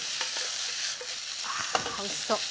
あおいしそう。